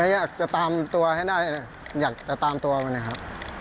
อยากจะตามตัวให้ได้อยากจะตามตัวมันนะครับ